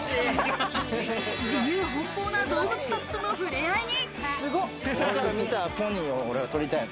自由奔放な動物たちとの触れ合いに。